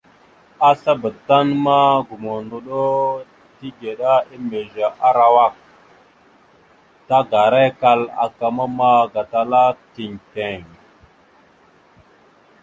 Aslabá tan ma gomohəndoɗo tigəɗá emez arawak aak, tagarakal aka mamma gatala tiŋ tiŋ.